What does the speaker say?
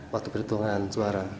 waktu perhitungan suara